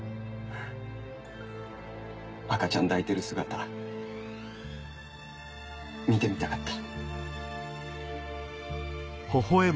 赤ちゃん抱いてる姿見てみたかった。